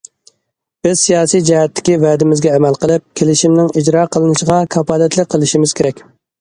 بىز سىياسىي جەھەتتىكى ۋەدىمىزگە ئەمەل قىلىپ، كېلىشىمنىڭ ئىجرا قىلىنىشىغا كاپالەتلىك قىلىشىمىز كېرەك.